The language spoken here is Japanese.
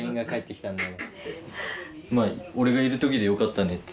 俺がいる時でよかったねって。